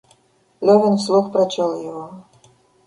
Левин вслух прочел его.